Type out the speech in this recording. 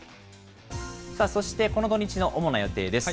そしてこの土日の主な予定です。